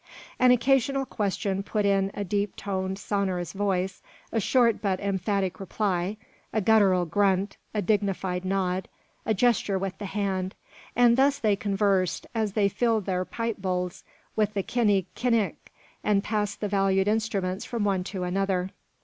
An occasional question put in a deep toned, sonorous voice, a short but emphatic reply, a guttural grunt, a dignified nod, a gesture with the hand; and thus they conversed, as they filled their pipe bowls with the kini kin ik, and passed the valued instruments from one to another.